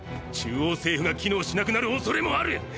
中央政府が機能しなくなるおそれもある！！